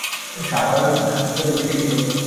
Charlotte Lockwood কে ছিল।